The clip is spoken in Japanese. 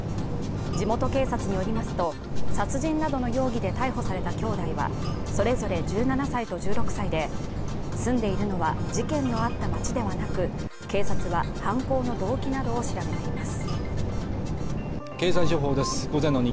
地元警察によりますと、殺人などの容疑で逮捕された兄弟はそれぞれ１７歳と１６歳で住んでいるのは、事件のあった街ではなく、警察は犯行の動機などを調べています。